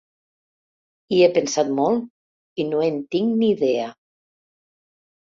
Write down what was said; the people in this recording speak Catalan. Hi he pensat molt i no en tinc ni idea.